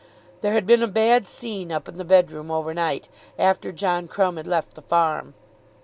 There had been a bad scene up in the bedroom overnight, after John Crumb had left the farm.